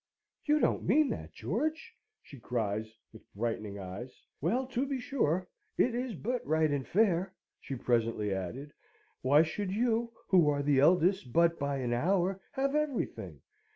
"You don't mean that, George?" she cries, with brightening eyes. "Well, to be sure, it is but right and fair," she presently added. "Why should you, who are the eldest but by an hour, have everything?